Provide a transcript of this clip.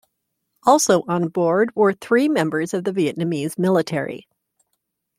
Also on board were three members of the Vietnamese military.